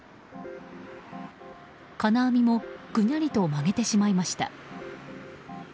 金網もぐにゃりと曲げてしまいました。